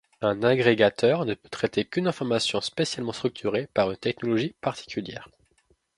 Un agrégateur ne peut traiter qu'une information spécialement structurée, par une technologie particulière.